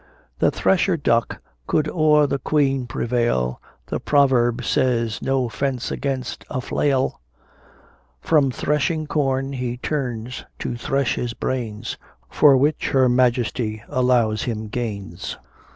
The thresher Duck could o'er the Queen prevail, The proverb says, "no fence against a flail." From threshing corn he turns to thresh his brains, For which her Majesty allows him gains.